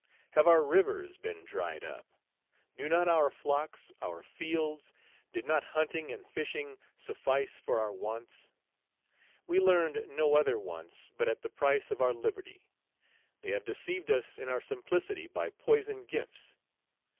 Have our rivers been dried up? Did not our flocks, our fields, did not hunting and fishing, suffice for our wants? We learned no other wants but at the price of our liberty; they have deceived us in our simplicity by poisoned gifts.